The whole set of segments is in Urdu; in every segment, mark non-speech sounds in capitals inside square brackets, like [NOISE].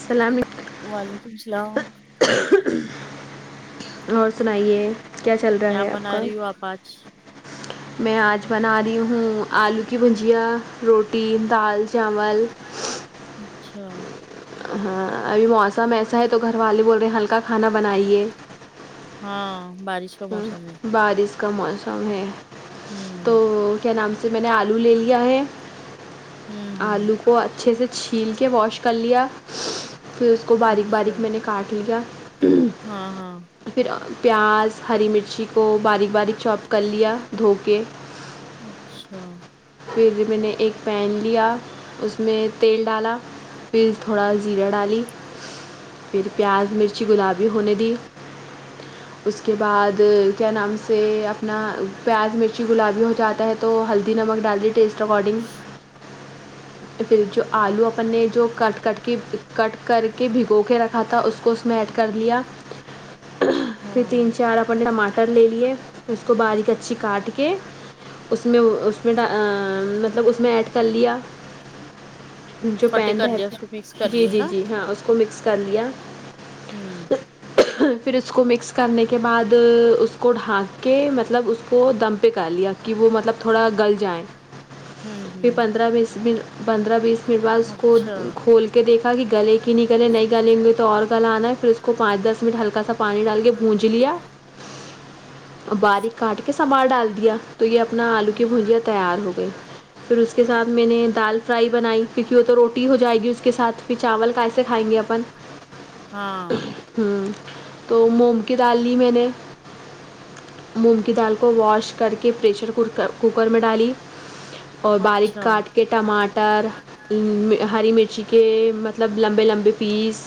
سلامک وعلیکم السلام [INAUDIBLE] اور سنائیے کیا چل رہا ہے آپ بنا کا رہی ہو آپ آج میں آج بنا رہی ہوں آلو کی بھجیا روٹ ٹی دال چاول اچھا ہاں ابھی موسم ایسا ہے تو گھر والے بول رہے ہیں ہلکا کھانا بنائیے ہاں بارش کا موسم ہے بارش کا موسم ہے تو ہوں کے نام سے میں نے آلو لے لیا ہے ہوں ہوں آلو کو اچھے سے چھیل کے واش کر لیا پھر اس کو باریک اچھا باریک میں نے کاٹ لیا ہاں ہاں پھر پیاز ہری مرچی کو باریک باریک چوپ کر لیا دھو کے اچھا پھر میں نے ایک پین لیا اس میں تیل ڈالا پھر تھوڑا زیرا ڈالی پھر پیاز مرچی گلابی ہونے دی اس کے بعد کیا نام سے اپنا پیاز مرچی گلابی ہو جاتا ہے تو ہلدی نمک ڈال دیے ٹیسٹ اکارڈنگ پھر جو آلو اپن نےجو کٹ کٹ کے کٹ کر کے بھگو کے رکھا تھا اس کو اس میں ایڈ کر لیا پھر ہاں تین چار ٹماٹر لے لیے اس کو باریک اچھی کاٹ کے اس میں اس میں مطلب اس میں ایڈ کر لیا جو چھوٹے پین کر لیا رہتا اس کو مکس کر جی لیا جی نا جی ہاں اس کو مکس کر لیا ہوں پھر اس کو مکس کرنے کے بعد اس کو ڈھانک کے مطلب اس کو دم پہ کر لیا کہ وہ مطلب تھوڑا گل جایں ہوں پھر ہوں پندربیس پندرہ بیس منٹ بعد اس کو اچھا کھول کے دیکھا کہ گلے کی نہیں گلے نہیں گلیں گے تو اور گلا نا پھر اس کو پانچ دس منٹ ہلکا سا پانی ڈال کے بھونج لیا باریک کاٹ کے سنوار ڈال دیا تو یہ اپنا آلو کی بھجیاں تیار ہو گئی پھر اس کے ساتھ میں نے دال فرائی بنائی کیونکہ وہ تو روٹی ہو جائے گی اس کے ساتھ پھر چاول کیسے کھائیں گے اپن ہاں ہ تو مونگ کی دال لی میں نے مونگ کی دال کو واش کر کے پریشر کوکر میں ڈالی اور باریک اچھا کاٹ کے ٹماٹر ہری مرچی کے مطلب لمبے لمبے پیس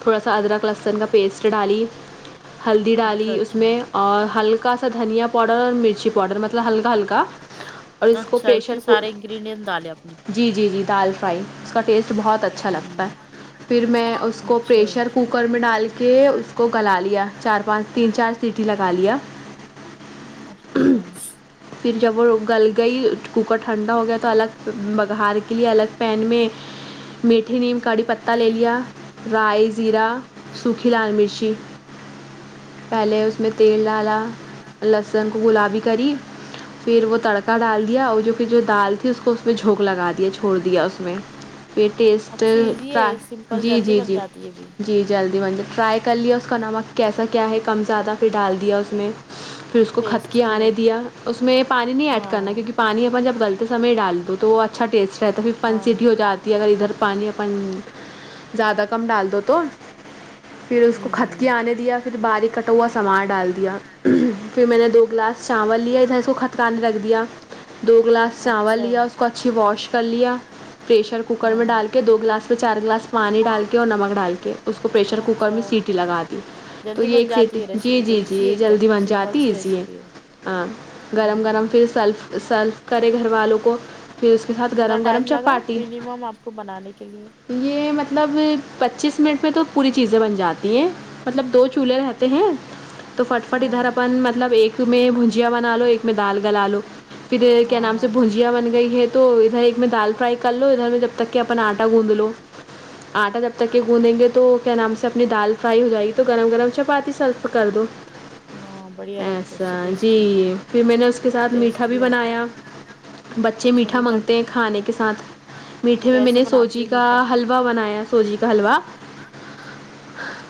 تھوڑا سا ادرک لہسن کا پیسٹ ڈالی ہلدی اچھا ڈالی اس اچھا میں اور ہلکا سا دھنیا پاؤڈر اور مرچی پاؤڈر مطلب ہلکا ہلکا اور اس کو اچھا اتنے پریشر سارے انکریڈینٹ ڈالے آپ نے جی جی جی دال فرائی اس کا ٹیسٹ بہت اچھا لگتا ہوں ہے پھر میں اس کو اچھا پریشر کوکر میں ڈال کے اس کو گلا لیا چار پانچ تین چار سیٹی لگا لیا اچھا پھر جب وہ گل گئی کوکر ٹھنڈا ہو گیا تو الگ بگار کے لیے الگ پین میں میٹھی نیم کڑی پتہ لے لیا رائی زیرہ سوکھی لال مرچی پہلے اس میں تیل ڈالا لہسن کو گلابی کری پھر وہ تڑکا ڈال دیا اور جو کہ جو دال تھی اس کو اس میں جھونک لگا دیا چھوڑ دیا اس میں پے ٹیسٹ اچھی ایزی ہے سمپل ٹراجی جلدی جی بن جی جاتی ہے بھی جی جلدی بن جائے ٹرائی کر لیا اس کا نمک کیسا کیا ہے کم زیادہ پھر ڈال دیا اس میں پھر اس کو ٹیسٹ کھتکی کے آنے دیا اس میں پانی نہیں ایڈ کیا ہاں پانی اپ جب گلتے سمے ڈال دو تو وہ اچھا ٹیسٹ رہتا ہے پھر ہاں پانچ سیٹی ہو جاتی اگر ادھر پانی اپن زیادہ کم ڈال دو تو پھر اس کو کھتکی ہوں آنے دیا پھر باریک کٹا ہوا سنوار ڈال دیا پھر میں نے دو گلاس چاول لیا ادھر سے کو کھتکانے رکھ دیا دو گلاس چاول اچھا لیا اس کو اچھی واش کر لیا پریشر کوکر میں ہاں ڈال کے دو گلاس میں چار گلاس پانی ڈال کے اور نمک ڈال کے اس کو پریشر کوکر اچھا میں سیٹی لگا دی تو جلدی یہ بن ایک سیٹی جاتی ہے جی ریسیپی تو جی ایزی ہے جی ایک دم جلدی بن سمپل جاتی ہے سی ایزی ہے ریسیپی ہاں گرم گرم ہ پھر سرف سرف کرے گھر والوں کو پھر اس کے ساتھ کتنا گرم گرم ٹائم لگا چپاتی منیمم آپ کو بنانے کے لیے یہ مطلب پچیس منٹ میں تو پوری چیزیں بن جاتی ہیں مطلب دو چولہے رہتے ہیں تو فٹ فٹ ہاں ادھر اپن مطلب ایک میں بھجیا بنا لو ایک میں دال گلا لو پھریہ کیا ہاں نام سے ہاں بھجیا بن گئی ہے تو ادھر ایک میں دال فرائی کر لو ادھر میں جب تک کہ اپنا آٹا گوند لو آٹا جب تک کہ گوندیں گے تو کیا نام سے اپنی دال فرائی ہو جائے گی تو گرم گرم چپاتی سرف کر دو ہاں بڑھیا لگتا اس سے ایسا جی ٹیسٹی پھر میں نے اس کے ساتھ میٹھا ٹیسٹ بھی آتا بنایا بچے میٹھا مانگتے ہیں کھانے کے ساتھ میٹھے میں میں کیسے نے بناتی سوجی ہوں کا میٹھا حلوا حلوا بنایا سوجی کا حلوا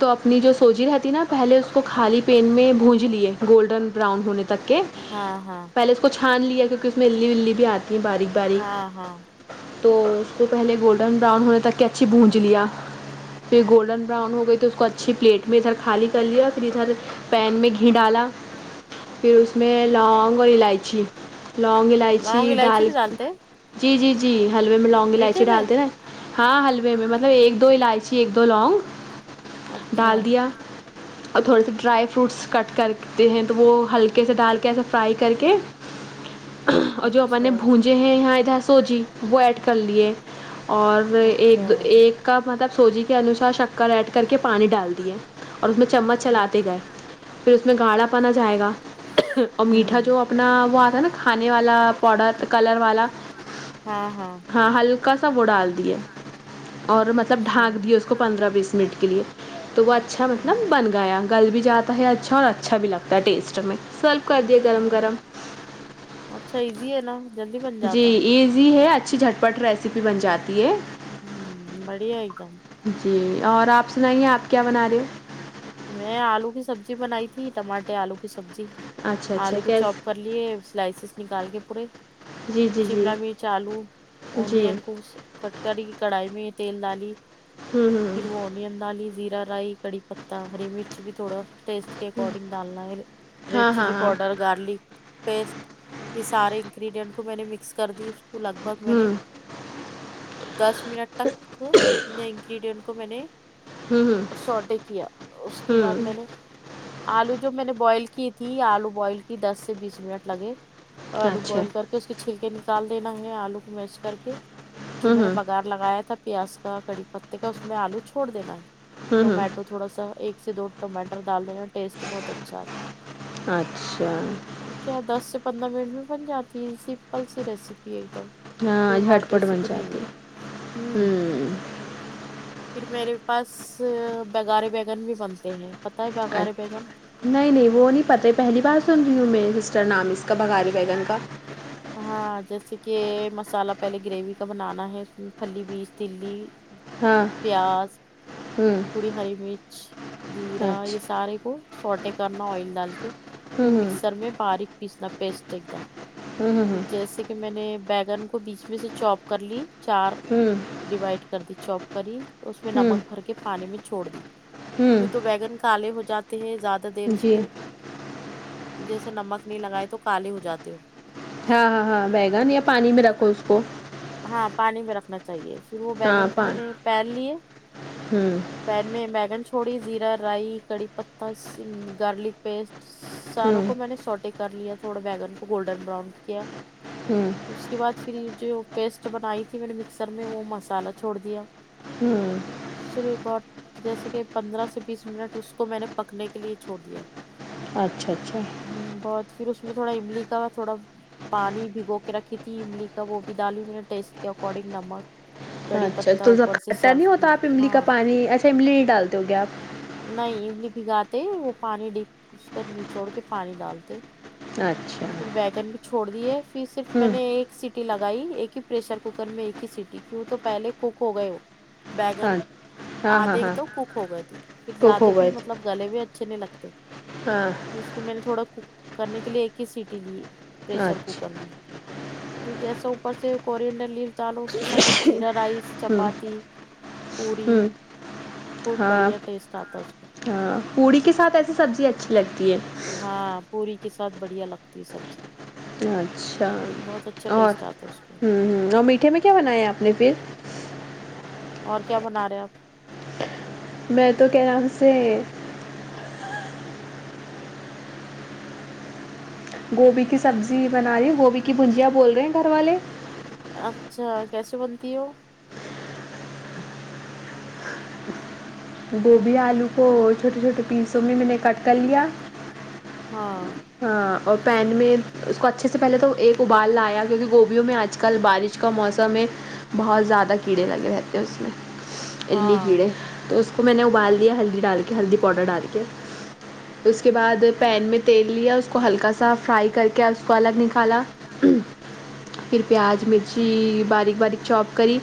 تو اپنی جو سوجی رہتی نا پہلے اس کو خالی پین میں بونج لیے گولڈن براؤن ہونے تک کے ہاں ہاں پہلے اس کو چھان لیا کیونکہ اس میں الی ولی بھی آتی ہے باریک ہاں ہاں باریک تو اس کو پہلے گول ڈن براؤن ہونے تک کہ اچھی بونج لیا پھر گولڈن براؤن ہو گئی تھی اس کو اچھی پلیٹ میں ادھر خالی کر لیا پھر ادھر پین میں ڈالا پھر اس میں لونگ اور الائ چی لونگ الائچی لونگ ڈال بھی ڈالتے ہیں جی جی جی حلوے میں لونگ میٹھے الائچی میں ڈالتے ہے ہاں حلوے میں مطلب ایک دو الائچی ایک دو لونگ اچھا ڈال دیا اور تھوڑے سے ڈرائی فروٹس کٹ کرتے ہیں تو وہ ہلکے سے ڈال کے ایسے فرائی کر کے اور جو اپن نے اچھا بھونجے ہیں یہاں ادھر سوجی وہ ایڈ کر لیے اور اچھا ایک ایک کا مطلب سوجی کے انوسار شکر ایڈ کر کے پانی ڈال دیے اور اس میں چممچ ہوں چلاتے گئے پھر اس میں گاڑھا پن اا جائے گا اور میٹھا جو اپنا وہ نا کھانے والا پاوڈر کلر والا ہاں ہلکا سا وہ ڈال دیے اور مطلب اچھا ڈھانک دی اس کو پندرہ بیس منٹ کے لیے تو وہ اچھا مطلب بن گیا گل بھی جاتا ہے اچھا اور اچھا بھی لگتا ہے ٹیسٹ میں سرو کر دیے گرم گرم اچھا ایزی ہے نا جلدی بن جی جاتا ایزی ہے اچھی جھٹ پٹ ریسیپی بن جاتی ہے ہوں بڑھیا ایک دم جی اور آپ سنائیے آپ کیا بنا رہے ہو میں آلو کی سبزی بنائی تھی ٹماٹے آلو کی سبجی ہو اچھا اچھا آلو کو چوپ کیسے کر لیے سلائسیز نکال کے پورے جی جی جی شیملا مرچ آلو جی انیوں کٹ کری کڑھائی میں تیل ڈالی ہوں ہوں پھر وہ این [UNINTELLIGIBLE] دالی زیرا رائی کڑی پتا ہری مرچ بھی تھوڑا ٹیسٹ کے اکارڈنگ ڈالنا ہے ریڈ ہاں ہاں چلی ہاں پاؤڈر گارلک پیسٹ یہ سارے انگریڈنٹ کو میں نے مکس کر دی تو لگ بھگ میں نے ہوں دس منٹ تک اتنے انگریڈینٹ کو میں نے ہوں ہوں سوٹے کیا اس کے بعد ہوں میں نے آلو جو میں نے بوئل کی تھی آلو بوئل کی دس سے بیس منٹ لگے آلو اچھا بوئل کر کے اس کے چھلکے نکال دینا ہے آلو کو میش کر کے جو ہوں میں نے ہوں بگار لگایا تھا پیاز کا کڑی پتے کا اس میں آلو چھوڑ دینا ہے ہوں ہوں ٹومیٹو تو تھوڑا سا ایک سے دو ٹماٹر ڈال دینا ٹیسٹ بہت اچھا آتا اچھا کیا دس سے پندرہ منٹ میں بن جاتی ہے سمپل سی ریسیپی تو ہاں کوئی جھٹ ہارڈ پٹ بن ریسیپی نہیں ہے جاتی ہمم ہوں پھر میرے پاس بگارے بیگن بھی بنتے ہیں پتا ہے اچھا بگارے بیگن نہیں نہیں وہ نہیں پتے پہلی بار سن رہی ہوں میرے سسٹر نام اس کا بگارے بیگن کا ہاں جیسے کہ مسالہ پہلے گریوی کا بنانا ہے اس میں پھلی بیج تلی ہاں پیاز ہوں تھوڑی ہری مرچ جیرا یہ اچھا سارے کو سوٹے کرنا آئل ڈال کے پھر ہوں مکسر میں باریک پیسنا پیسٹ ایک دم ہوں پھر ہوں جیسے کہ میں نے بیگن کو بیچ میں سے چاپ کر لی چار ہمم ڈیوائڈ کر دی چوپ کری اس میں ہوں نمک بھر کے پانی میں چھوڑ دی ہوں یوں تو بیگن کالے ہو جاتے ہیں زیادہ دیر ہوں اس جی کو جیسے نمک نہیں لگائے تو کالے ہو جاتے ہو ہاں ہاں ہاں بیگن یاں پانی میں رکھو اس کو ہاں پانی میں رکھنا چاہیے پھر وہ ہاں بیگن کو میں پانی۔ نے پین لیے ہوں پین میں بیگن چھوڑی زیرہ رائی کڑی پتہ گارلک پیسٹ سساروں ہوں کو میں نے سوٹے کر لیا تھوڑا بیگن کو گولڈن براؤن کیا ہوں اس کے بعد پھر یہ جو پیسٹ بنائی تھی میں نے مکسر میں وہ مسالہ چھوڑ دیا ہوں [UNINTELLIGIBLE] بٹ تو جیسے کہ پندرہ سے بیس منٹ اس کو میں نے پکنے کے لیے چھوڑ دیا اچھا اچھا ہوں بہت پھر اس میں تھوڑا املی کا تھوڑا پانی بھگو کے رکھی تھی املی کا وہ بھی ڈالی میں نے ٹیسٹ کے اکارڈنگ نمک ہاں کڑی اچھا پتہ تو زا اوپر سے کھٹا نہیں سرو کی ہوتا آپ املی کا ہاں پانی اچھا املی نہیں ڈالتے ہو گے آپ نہیں املی بھگاتے ہی وہ پانی ڈپ اس کو نچوڑ کے پانی ڈالتے اچھا پھر بیگن بھی چھوڑ دیے پھر صرف میں ہوں نے ایک سیٹ سٹی لگائی ایک ہی پریشر کوکر میں ایک ہی سیٹی کیوں تو پہلے کک ہو گئے ہو بیگن ہاں ہاں ہاں آدھے ہاں تو کک ہو گئے تھے پھر ٹوک زیادہ ہو بھی گئے مطلب مطلب گلے ہوئے اچھے نہیں لگتے ہاں اس کو میں نے تھوڑا کوک کرنے کے لیے ایک ہی سیٹی لی پریشر کوکر اچھا میں جیسے اوپر سے کورینڈر لیف ڈالو اس کے ساتھ زیرا رائس ہوں چپاتی پوری ہوں بہت ہاں بڑھیا ٹیسٹ آتا ہے اس میں ہاں پوری کے ساتھ ایسی سبزی اچھی لگتی ہے ہاں پوری کے ساتھ بڑھیا لگتی ہے سبزی اچھا بہت اچھا اور ٹیسٹ آتا ہے اس میں ہوں ہوں اور میٹھے میں کیا بنایا آپ نے پھر اور کیا بنا رہے ہیں آپ میں تو کیا نام سے گوبھی کی سبزی بنا رہی ہے گوبھی کی بھجیہ بول رہے ہیں گھر والے اچھا کیسے بنتی ہو وہ گوبھی آلو کو چھوٹے چھوٹے پیسوں میں میں نے کٹ کر لیا ہاں ہاں اور پین میں اس کو اچھے سے پہلے تو ایک ابال لایا کیونکہ گوبھیوں میں آج کل بارش کا موسم میں بہت زیادہ کیڑے لگے رہتے ہیں اس میں اے لی ہاں کیڑے تو اس کو میں نے ابال دیا ہلدی ڈال کے ہلدی پاؤڈر ڈال کے اس کے بعد پین میں تیل لیا اس کو ہلکا سا فرائی کر کے اس کو الگ نکالا پھر پیاز مرچی باریک باریک چوپ کری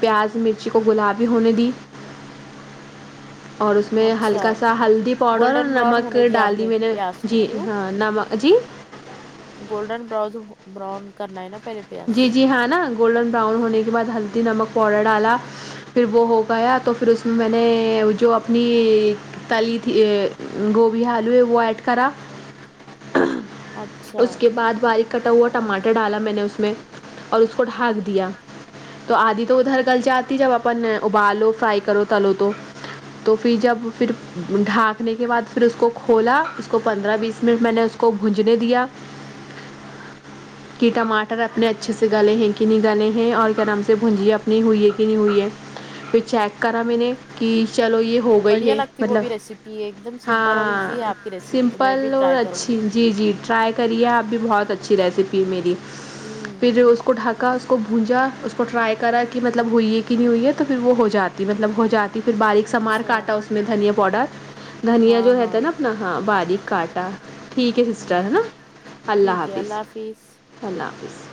پیاز مرچی کو گلابی ہونے دی اور اس میں ہلکا اچھا سا ہلدی پاؤڈر اور گولڈن براؤن نمک ہونے دیا آپ ڈال دی میں نے پیاز کو جی کیوں ہاں نما جی گولڈن براؤز براؤن کرنا ہے نا پہلے پیاز جی جی ہاں نا گولڈن براؤن ہونے کے بعد ہلدی نمک پاؤڈر ڈالا پھر وہ ہو گیا تو پھر اس میں میں نے جو اپنی تلی تھی گوبھی آلو ہے وہ ایڈ کرا اچھا اس کے بعد باریک کٹا ہوا ٹماٹر ڈالا میں نے اس کو میں اور اس کو ڈھاک دیا تو آدھی تو ادھر گل جاتی جب اپن ابالو فرائی کرو تلو تو تو پی جب پھر ڈھانکنے کے بعد فر اس کو کھولا اس کو پندرہ بیس منٹ میں نے اس کو بھونجنے دیا [INAUDIBLE] کیٹا ما ٹر اپنے اچھے سے گالے ہیں کہ نہیں گالے ہیں اور گرم سے اپنی بھونجی ہوئی ہے کہ نہیں ہوئی ہے پھر چیک کرا مینے کہ چلو یہ ہو گئی بڑھیا ہے لگتی وہ مطلب بھی ریسیپی ایک دم سمپل اور ہاں ایزی ہے آپ کی ریسیپی تو میں بھی سمپل اور ٹرائی کروں گی اچھی جی جی ٹرائی کریے آپ بھی بہت اچھی ریسیپی ہے میری ہوں پھر اس کو ڈھکا اس کو بونجا اس کو ٹرائی کرا کہ مطلب ہوئی ہے کہ نہیں ہوئی ہے تو پھر وہ ہو جاتی مطلب ہو جاتی پھر باریک سا مار اچھا کاٹا اس میں دھنیا پاؤڈر دھنیا ہاں جو رہتا ہاں ہے نا اپنا ہاں باریک کاٹا ٹھیک ہے سسٹر ہے نا اللہ حافظ بیس اللہ حافظ